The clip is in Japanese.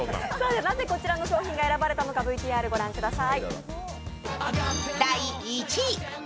なぜ、こちらの商品が選ばれたのか、ＶＴＲをご覧ください。